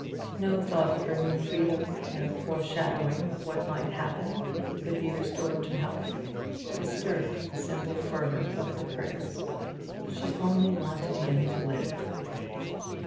No thought of her new freedom, no foreshadowing of what might happen if he could be restored to health, disturbed the simple fervour of her prayers. She only wanted him to live.